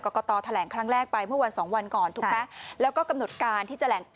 กตแถลงครั้งแรกไปเมื่อวันสองวันก่อนถูกไหมแล้วก็กำหนดการที่จะแหลง